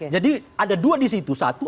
jadi ada dua disitu satu